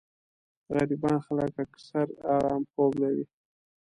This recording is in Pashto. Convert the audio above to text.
غريبان خلک اکثر ارام خوب لري